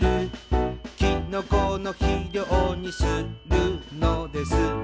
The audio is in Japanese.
「きのこの肥料にするのです」